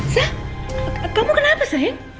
sah kamu kenapa sayang